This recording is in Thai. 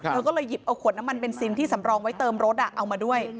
เธอก็เลยหยิบเอาขวดน้ำมันเบนซินที่สำรองไว้เติมรถเอามาด้วย